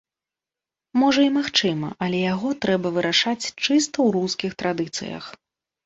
Можа, і магчыма, але яго трэба вырашаць чыста ў рускіх традыцыях.